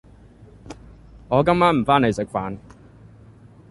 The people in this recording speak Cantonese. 我今晚唔返黎食飯.